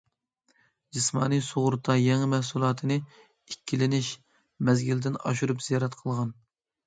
جىسمانىي سۇغۇرتا يېڭى مەھسۇلاتىنى ئىككىلىنىش مەزگىلىدىن ئاشۇرۇپ زىيارەت قىلغان.